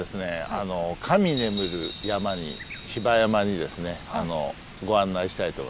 あの神眠る山に比婆山にですねご案内したいと思います。